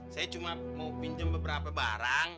saya cuma mau pinjam beberapa barang